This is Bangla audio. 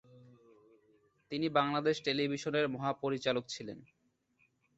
তিনি বাংলাদেশ টেলিভিশনের মহাপরিচালক ছিলেন।